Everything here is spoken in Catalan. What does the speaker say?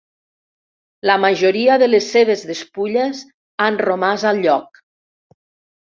La majoria de les seves despulles han romàs al lloc.